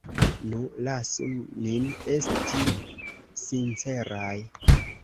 Nu, lasu nin esti sinceraj.